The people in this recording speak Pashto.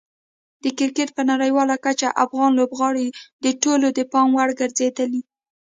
د کرکټ په نړیواله کچه افغان لوبغاړي د ټولو د پام وړ ګرځېدلي.